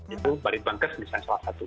itu lidbangkes bisa salah satu